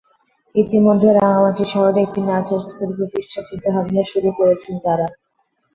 ইতিমধ্যে রাঙামাটি শহরে একটি নাচের স্কুল প্রতিষ্ঠার চিন্তাভাবনা শুরু করেছেন তাঁরা।